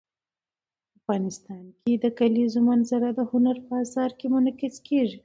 افغانستان کې د کلیزو منظره د هنر په اثار کې منعکس کېږي.